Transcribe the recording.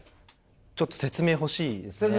ちょっと説明欲しいですね。